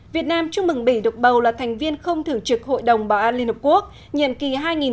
việt nam chúc mừng bỉ độc bầu là thành viên không thưởng trực hội đồng bảo an liên hợp quốc nhiệm kỳ hai nghìn một mươi chín hai nghìn hai mươi